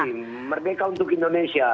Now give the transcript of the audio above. terima kasih merdeka untuk indonesia